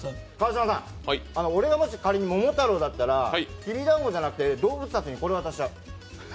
俺が仮に桃太郎だったら、きびだんごじゃなくて、動物たちにこれ渡しちゃう。